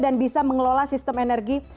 dan bisa mengelola sistem energi